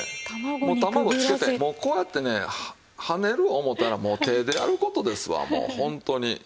卵つけてもうこうやってね跳ねる思うたらもう手でやる事ですわもうホントに。